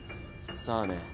さあね。